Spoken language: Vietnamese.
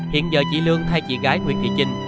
hiện giờ chị lương thay chị gái nguyễn thị trinh